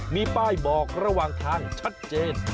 มีป้ายบอกระหว่างทางชัดเจน